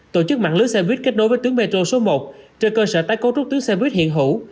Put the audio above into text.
tổ chức mạng lưới xe buýt kết nối với tuyến metro số một trên cơ sở tái cấu trúc tuyến xe buýt hiện hữu